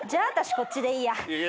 こっちでいいや。